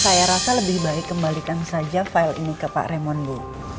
saya rasa lebih baik kembalikan saja file ini ke pak remon bu